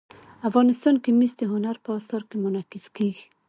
افغانستان کې مس د هنر په اثار کې منعکس کېږي.